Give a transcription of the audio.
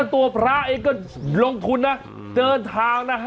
เท่าไหร่คะ